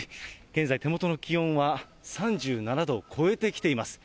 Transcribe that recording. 現在、手元の気温は、３７度を超えてきています。